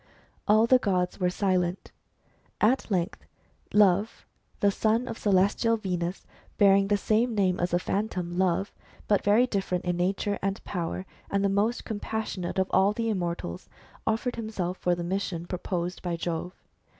All the gods were silent. At length Love, the son of celestial Venus, bearing the same name as the Phantom Love, but very different in nature and power, and the most compas sionate of the immortals, offered himself for the mission proposed by Jove.